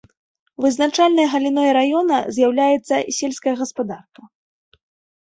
Вызначальнай галіной раёна з'яўляецца сельская гаспадарка.